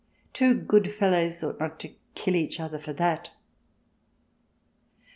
Two good fellows ought not to kill each other for that."